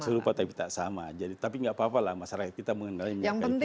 serupa tapi tak sama tapi enggak apa apa lah masyarakat kita mengenal minyak kayu putih